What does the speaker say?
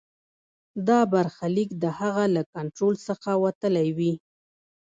دا برخلیک د هغه له کنټرول څخه وتلی وي.